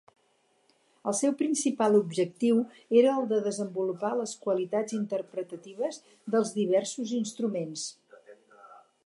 El seu principal objectiu era el de desenvolupar les qualitats interpretatives dels diversos instruments.